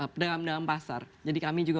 pedagang pedagang pasar jadi kami juga